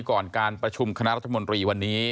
ก่อนการประชุมคณะรัฐมนตรีวันนี้